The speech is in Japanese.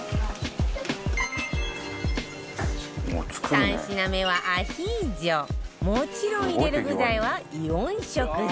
３品目はアヒージョもちろん入れる具材はイオン食材